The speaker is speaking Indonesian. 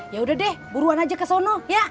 yaudah deh buruan aja ke sono ya